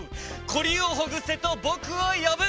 コリをほぐせとぼくをよぶ！